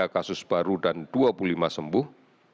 tiga kasus baru dan dua puluh lima sembuh